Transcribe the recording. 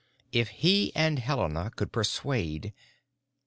If he and Helena could persuade....